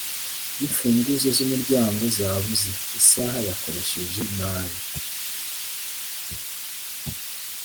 y'imfunguzo z'umuryango zabuze, isaha yakoresheje nabi.